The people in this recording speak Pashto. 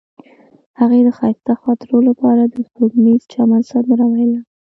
هغې د ښایسته خاطرو لپاره د سپوږمیز چمن سندره ویله.